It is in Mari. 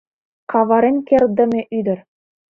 Каварен кертдыме ӱдыр!